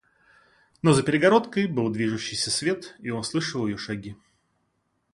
Но за перегородкой был движущийся свет, и он слышал ее шаги.